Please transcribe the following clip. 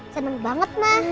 seneng banget mah